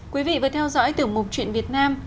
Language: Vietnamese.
quý vị vừa theo dõi tiểu mục chuyện việt nam